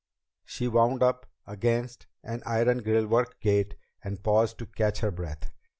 She wound up against an iron grillwork gate and paused to catch her breath.